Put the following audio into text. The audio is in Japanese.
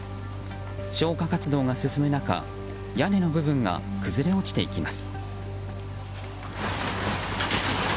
消火活動が進む中屋根の部分が崩れ落ちていきます。